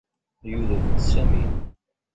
Yudef-d Sami.